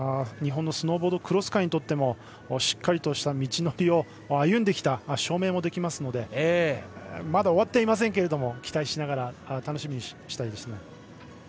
日本のスノーボードクロス界にとってもしっかりとした道のりを歩んできた証明もできますのでまだ終わっていませんけども期待しながら楽しみにしたいですね。